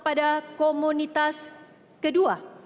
kepada komunitas kedua